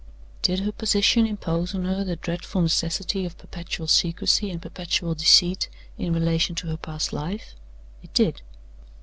Did her position impose on her the dreadful necessity of perpetual secrecy and perpetual deceit in relation to her past life? It did.